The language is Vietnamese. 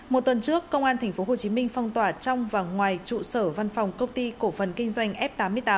một tuần trước công an thành phố hồ chí minh phong tỏa trong và ngoài trụ sở văn phòng công ty cổ phần kinh doanh f tám mươi tám